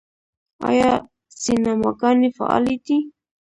آیا سینماګانې فعالې دي؟